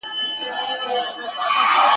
په دې چرت کي وو چي دا به څه بلا وي ..